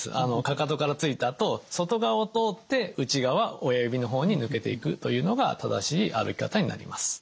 かかとから着いたあと外側を通って内側親指の方に抜けていくというのが正しい歩き方になります。